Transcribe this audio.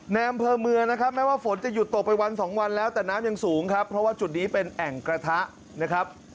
ในอำเภอเมืองนะครับแม้ว่าฝนจะหยุดตกไปวันสองวันแล้วแต่น้ำยังสูงครับเพราะว่าจุดนี้เป็นแอ่งกระทะนะครับ